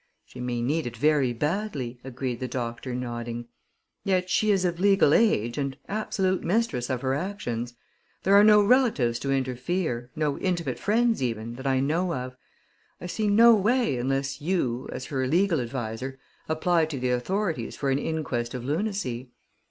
"She may need it very badly," agreed the doctor, nodding. "Yet, she is of legal age, and absolute mistress of her actions. There are no relatives to interfere no intimate friends, even, that I know of. I see no way unless you, as her legal adviser, apply to the authorities for an inquest of lunacy."